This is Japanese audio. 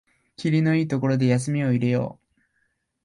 きりのいいところで休みを入れよう